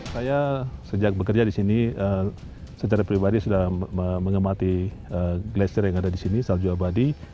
saya sejak bekerja di sini secara pribadi sudah mengemati glasier yang ada di sini salju abadi